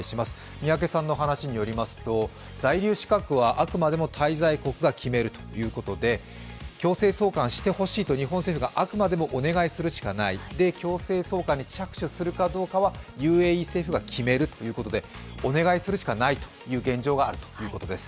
宮家さんの話によりますと在留資格はあくまでも滞在国が決めるということで強制送還してほしいと日本政府があくまでもお願いするしかない、強制送還に着手するかどうかはＵＡＥ政府が決めるということで、お願いするしかないという現状があるということです。